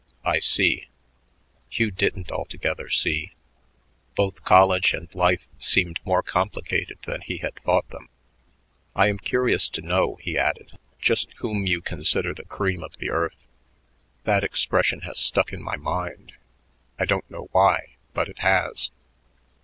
"I see." Hugh didn't altogether see. Both college and life seemed more complicated than he had thought them. "I am curious to know," he added, "just whom you consider the cream of the earth. That expression has stuck in my mind. I don't know why but it has."